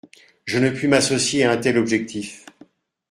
Je ne puis m’associer à un tel objectif.